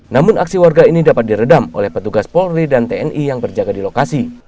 namun aksi warga ini dapat diredam oleh petugas polri dan tni yang berjaga di lokasi